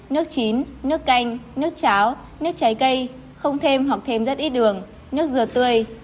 nước chín nước canh nước cháo nước trái cây không thêm hoặc thêm rất ít đường nước dừa tươi